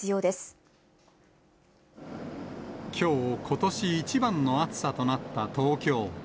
きょう、ことし一番の暑さとなった東京。